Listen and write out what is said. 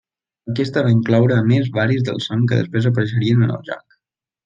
Aquesta va incloure a més varis dels sons que després apareixerien en el joc.